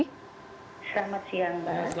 selamat siang mbak